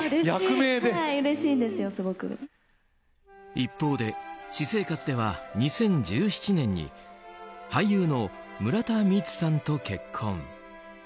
一方で私生活では２０１７年に俳優の村田充さんと結婚。